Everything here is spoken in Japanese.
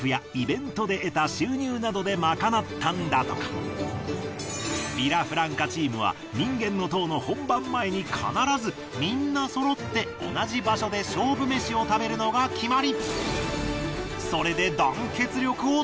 その多くをヴィラフランカチームは人間の塔の本番前に必ずみんなそろって同じ場所で勝負飯を食べるのが決まり！